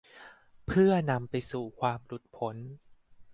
เพื่อนำไปสู่ความหลุดพ้น